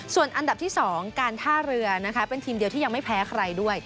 ส่วนอันดับที่๒การท่าเรือนะคะเป็นทีมเดียวที่ยังไม่แพ้ใครด้วย